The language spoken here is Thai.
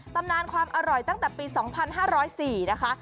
ตำนานความอร่อยตั้งแต่ปี๒๕๐๔นะคะ